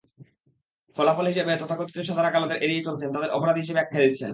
ফলাফল হিসেবে তথাকথিত সাদারা কালোদের এড়িয়ে চলছেন, তাঁদের অপরাধী হিসেবে আখ্যা দিচ্ছেন।